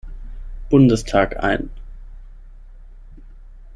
Bundestag ein.